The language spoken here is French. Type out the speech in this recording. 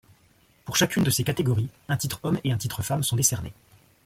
Pour chacune de ces catégories, un titre homme et un titre femme sont décernés.